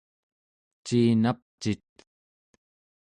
ciin apcit?